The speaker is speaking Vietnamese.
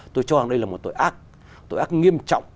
tôi cho rằng đây là một tội ác tội ác nghiêm trọng